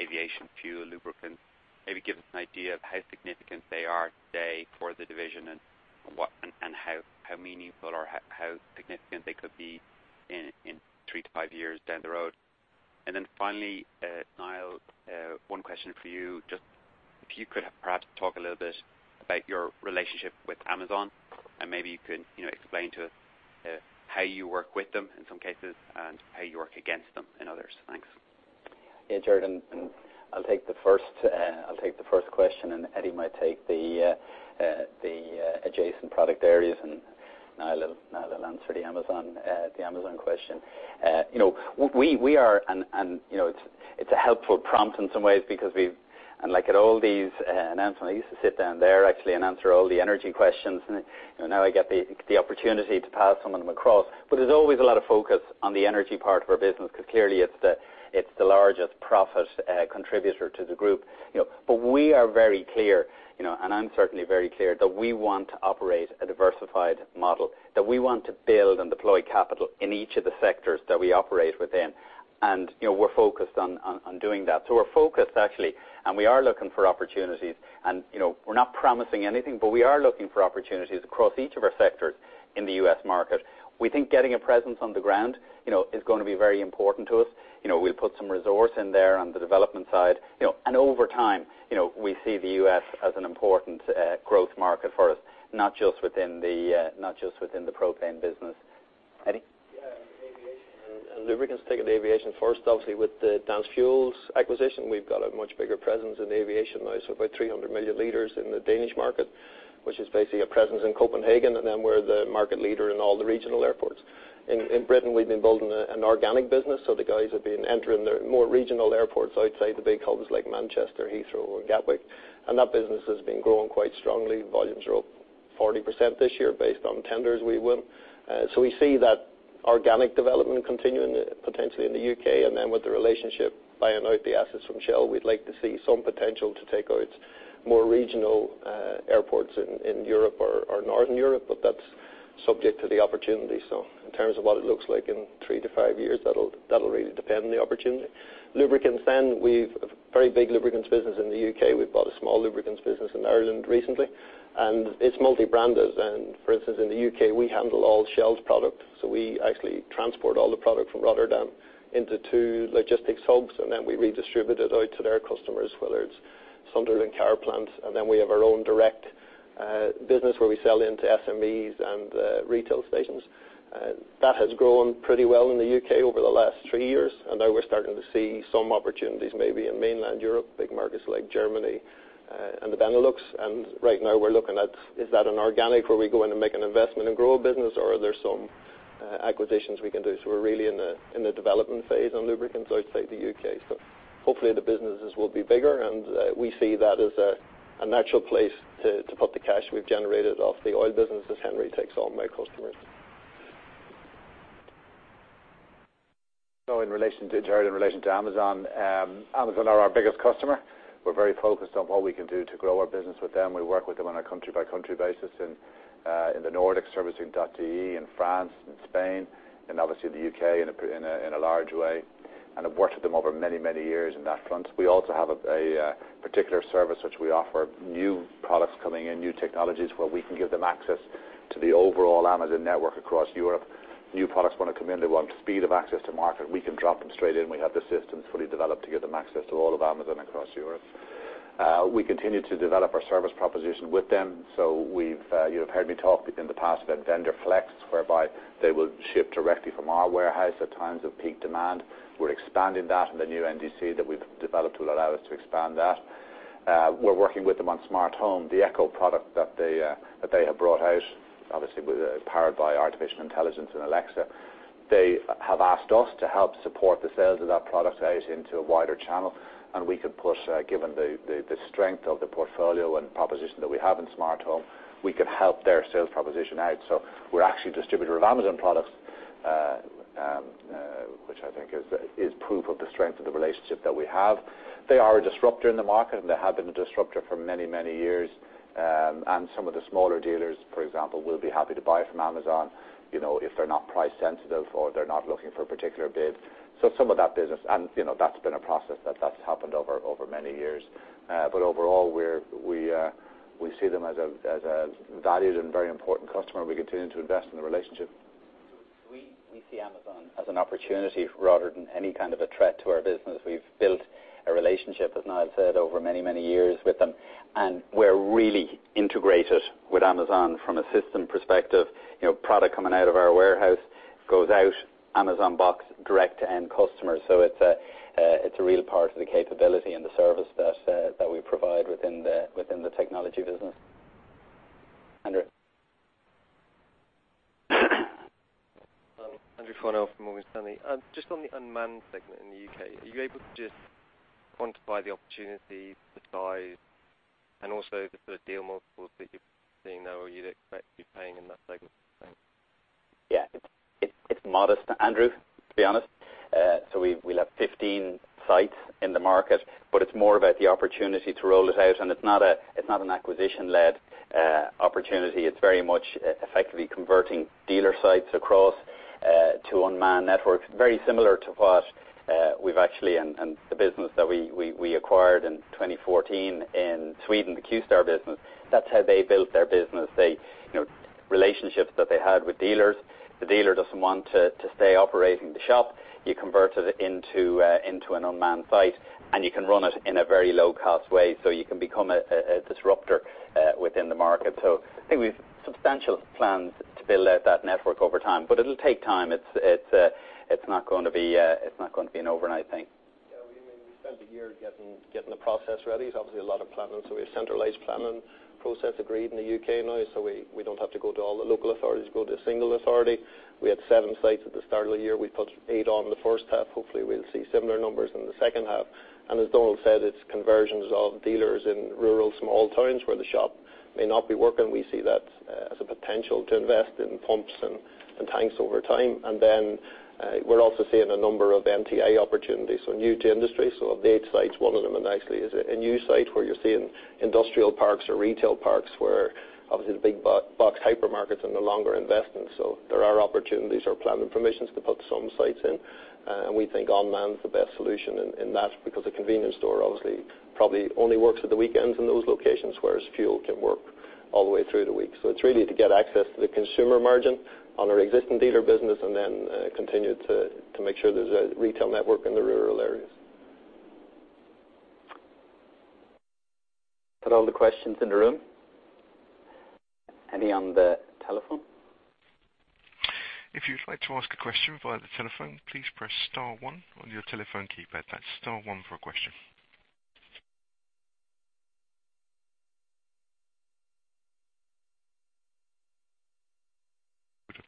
aviation fuel, lubricants. Maybe give us an idea of how significant they are today for the division and how meaningful or how significant they could be in three to five years down the road. Niall, one question for you. If you could perhaps talk a little bit about your relationship with Amazon, and maybe you could explain to us how you work with them in some cases and how you work against them in others. Thanks. Jordan, I'll take the first question, and Eddie might take the adjacent product areas, and Niall will answer the Amazon question. It's a helpful prompt in some ways because, unlike at all these announcements, I used to sit down there actually and answer all the energy questions, and now I get the opportunity to pass some of them across. There's always a lot of focus on the energy part of our business because clearly it's the largest profit contributor to the group. We are very clear, and I'm certainly very clear, that we want to operate a diversified model, that we want to build and deploy capital in each of the sectors that we operate within. We're focused on doing that. We're focused, actually, and we are looking for opportunities. We're not promising anything, but we are looking for opportunities across each of our sectors in the U.S. market. We think getting a presence on the ground is going to be very important to us. We'll put some resource in there on the development side. Over time, we see the U.S. as an important growth market for us, not just within the propane business. Eddie? Yeah. Aviation and lubricants. Taking the aviation first, obviously, with the Dansk Fuels acquisition, we've got a much bigger presence in aviation now. About 300 million liters in the Danish market, which is basically a presence in Copenhagen, and then we're the market leader in all the regional airports. In Britain, we've been building an organic business, so the guys have been entering the more regional airports outside the big hubs like Manchester, Heathrow, or Gatwick. That business has been growing quite strongly. Volumes are up 40% this year based on tenders we won. We see that organic development continuing potentially in the U.K. Then with the relationship buying out the assets from Shell, we'd like to see some potential to take out more regional airports in Europe or Northern Europe, but that's subject to the opportunity. In terms of what it looks like in three to five years, that'll really depend on the opportunity. Lubricants, then, we've a very big lubricants business in the U.K. We've bought a small lubricants business in Ireland recently. It's multi-branded. For instance, in the U.K., we handle all Shell's product. We actually transport all the product from Rotterdam into two logistics hubs, and then we redistribute it out to their customers, whether it's Sunderland car plant. Then we have our own direct business where we sell into SMEs and retail stations. That has grown pretty well in the U.K. over the last three years. Now we're starting to see some opportunities maybe in mainland Europe, big markets like Germany and the Benelux. Right now we're looking at, is that an organic where we go in and make an investment and grow a business, or are there some acquisitions we can do? We're really in the development phase on lubricants outside the U.K. Hopefully the businesses will be bigger, and we see that as a natural place to put the cash we've generated off the oil business as Henry takes on more customers. In relation to Amazon. Amazon are our biggest customer. We're very focused on what we can do to grow our business with them. We work with them on a country-by-country basis in the Nordics, servicing .de in France and Spain, and obviously the U.K. in a large way, and have worked with them over many, many years on that front. We also have a particular service which we offer new products coming in, new technologies, where we can give them access to the overall Amazon network across Europe. New products want to come in, they want speed of access to market. We can drop them straight in. We have the systems fully developed to give them access to all of Amazon across Europe. We continue to develop our service proposition with them. You have heard me talk in the past about Vendor Flex, whereby they will ship directly from our warehouse at times of peak demand. We're expanding that, and the new NDC that we've developed will allow us to expand that. We're working with them on Smart Home, the Echo product that they have brought out, obviously powered by artificial intelligence and Alexa. They have asked us to help support the sales of that product out into a wider channel, and given the strength of the portfolio and proposition that we have in Smart Home, we could help their sales proposition out. We're actually a distributor of Amazon products, which I think is proof of the strength of the relationship that we have. They are a disruptor in the market, and they have been a disruptor for many, many years. Some of the smaller dealers, for example, will be happy to buy from Amazon if they're not price sensitive, or they're not looking for a particular bid. Some of that business, and that's been a process that's happened over many years. Overall, we see them as a valued and very important customer, and we continue to invest in the relationship. We see Amazon as an opportunity rather than any kind of a threat to our business. We've built a relationship, as Niall said, over many, many years with them, and we're really integrated with Amazon from a system perspective. Product coming out of our warehouse goes out Amazon box direct to end customers. It's a real part of the capability and the service that we provide within the technology business. Andrew? Andrew Sherrell from Morgan Stanley. Just on the unmanned segment in the U.K., are you able to just quantify the opportunity, the size, and also the sort of deal multiples that you're seeing now, or you'd expect to be paying in that segment? Thanks. It's modest, Andrew, to be honest. We'll have 15 sites in the market, but it's more about the opportunity to roll it out, and it's not an acquisition-led opportunity. It's very much effectively converting dealer sites across to unmanned networks. Very similar to what we've actually, and the business that we acquired in 2014 in Sweden, the Qstar business. That's how they built their business. Relationships that they had with dealers. The dealer doesn't want to stay operating the shop. You convert it into an unmanned site, and you can run it in a very low-cost way, so you can become a disruptor within the market. I think we've substantial plans to build out that network over time. It'll take time. It's not going to be an overnight thing. Yeah. We spent a year getting the process ready. Obviously a lot of planning, we have centralized planning process agreed in the U.K. now, so we don't have to go to all the local authorities. Go to a single authority. We had seven sites at the start of the year. We put eight on in the first half. Hopefully, we'll see similar numbers in the second half. As Donal said, it's conversions of dealers in rural, small towns where the shop may not be working. We see that as a potential to invest in pumps and tanks over time. Then we're also seeing a number of NTI opportunities, new to industry. Of the eight sites, one of them actually is a new site where you're seeing industrial parks or retail parks where obviously the big box hypermarkets are no longer investing. There are opportunities or planning permissions to put some sites in. We think unmanned's the best solution, and that's because a convenience store obviously probably only works at the weekends in those locations, whereas fuel can work all the way through the week. It's really to get access to the consumer margin on our existing dealer business and then continue to make sure there's a retail network in the rural areas. Had all the questions in the room. Any on the telephone? If you'd like to ask a question via the telephone, please press *1 on your telephone keypad. That's *1 for a question.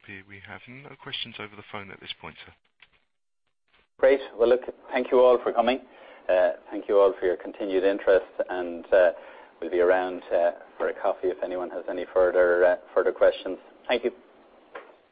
It would appear we have no questions over the phone at this point, sir. Great. Look, thank you all for coming. Thank you all for your continued interest, we'll be around for a coffee if anyone has any further questions. Thank you.